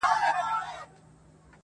o نر يم، نه در وزم!.